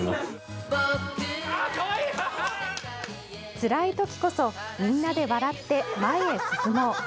つらいときこそみんなで笑って前へ進もう。